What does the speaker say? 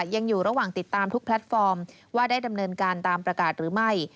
ยังอยู่ระหว่างติดตามทุกแพลตฟอร์มว่าได้ดำเนินการตามประกาศหรือไม่